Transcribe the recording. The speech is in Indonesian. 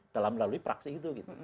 dalam melalui praksi gitu